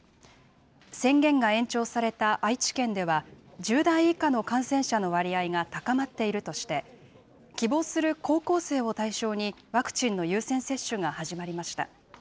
宣言が延長された愛知県では、１０代以下の感染者の割合が高まっているとして、希望する高校生を対象にワクチンの優先接種が始まりました。